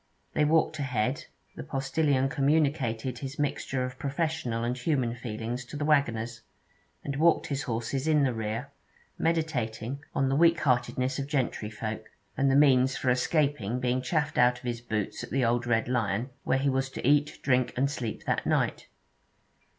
They walked ahead; the postillion communicated his mixture of professional and human feelings to the waggoners, and walked his horses in the rear, meditating on the weak heartedness of gentryfolk, and the means for escaping being chaffed out of his boots at the Old Red Lion, where he was to eat, drink, and sleep that night.